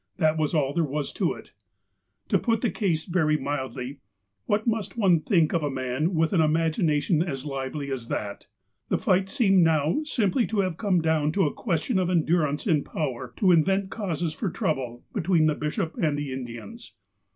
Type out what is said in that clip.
That was all there was to it ! To put the case very mildly : What must one think of a man with an imagination as lively as that ? The fight seemed now simply to have come down to a question of endurance in power to invent causes for trouble between the bishop and the Indians.